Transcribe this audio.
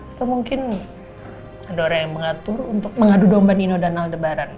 atau mungkin ada orang yang mengatur untuk mengadu domba nino dan al de baran